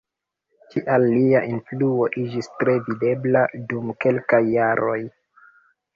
Tial lia influo iĝis tre videbla dum kelkaj jaroj.